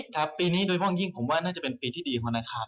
ครับปีนี้โดยเพราะยิ่งผมว่าน่าจะเป็นปีที่ดีของธนาคาร